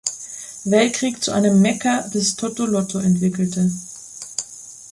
Weltkrieg zu einem „Mekka“ des Toto-Lotto entwickelte.